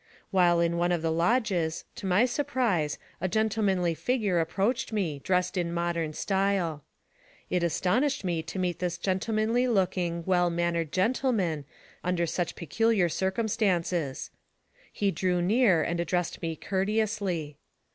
While in one of the lodges, to my surprise, a gentle manly figure approached me, dressed in modern style. It astonished me to meet this gentlemanly looking, well mannered gentleman under such peculiar circum stances. He drew near and addressed me courteously.